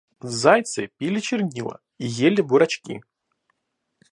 Зайцы пили чернила и ели бурачки!